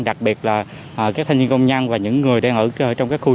đặc biệt là các thanh niên công nhân và những người đang ở trong các khu